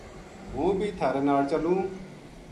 ہوں بی تھہارے ناڑ چلوں‘‘